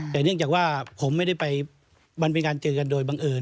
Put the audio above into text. แต่เนื่องจากว่าผมไม่ได้ไปมันเป็นการเจอกันโดยบังเอิญ